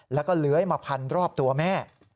แล้วก็เลื้อยมาพันรอบตัวแม่